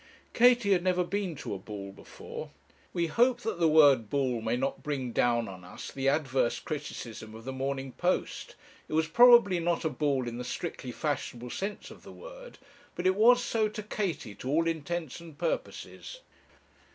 Katie had never been to a ball before. We hope that the word ball may not bring down on us the adverse criticism of the Morning Post. It was probably not a ball in the strictly fashionable sense of the word, but it was so to Katie to all intents and purposes.